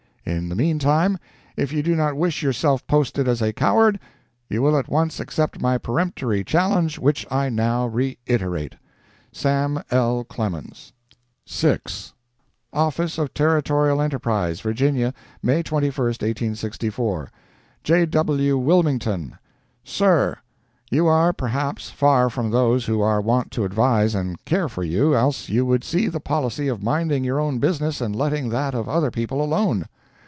In the meantime, if you do not wish yourself posted as a coward, you will at once accept my peremptory challenge, which I now reiterate. SAM. L. CLEMENS [ VI ] OFFICE TERRITORIAL ENTERPRISE VIRGINIA, May 21, 1864 J. W. WILMINGTON—Sir: You are, perhaps, far from those who are wont to advise and care for you, else you would see the policy of minding your own business and letting that of other people alone.